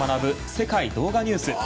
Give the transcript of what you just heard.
世界動画ニュース」。